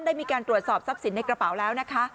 ได้มีการตรวจสอบทรัพย์สินในกระเป๋าแล้วนะคะ